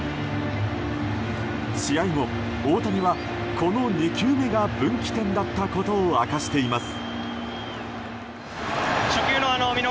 試合後、大谷は、この２球目が分岐点だったことを明かしています。